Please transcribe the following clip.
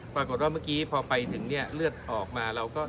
ปรากฏว่าเมื่อกี้พอไปถึงเนี่ยเลือดออกมาเราก็